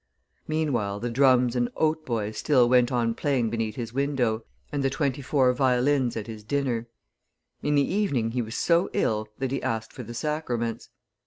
Meanwhile the drums and hautboys still went on playing beneath his window, and the twenty four violins at his dinner. In the evening, he was so ill that he asked for the sacraments.